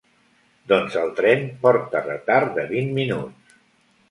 Doncs el tren porta retard de vint minuts.